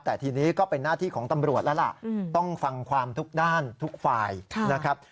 แต่ทีนี้ก็เป็นหน้าที่ของตำรวจแล้วล่ะต้องฟังความทุกด้านทุกฝ่ายนะครับ